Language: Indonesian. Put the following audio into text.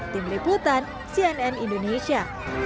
tim liputan cnn indonesia